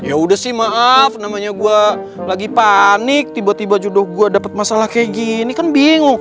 ya udah sih maaf namanya gue lagi panik tiba tiba judo gue dapat masalah kayak gini kan bingung